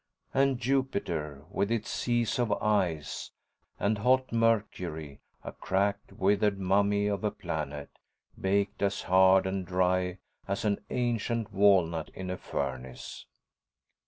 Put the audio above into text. And Jupiter, with its seas of ice; and hot Mercury, a cracked, withered mummy of a planet, baked as hard and dry as an ancient walnut in a furnace.